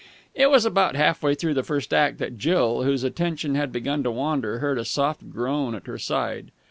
It was about half way through the first act that Jill, whose attention had begun to wander, heard a soft groan at her side.